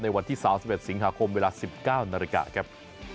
ในวันที่๓๑สิงหาคมเวลา๑๙นครับ